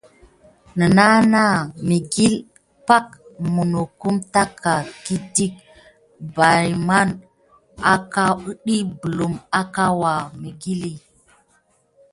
Nenana mikile apaka munokum tate kidi belma akawuya naour kilen.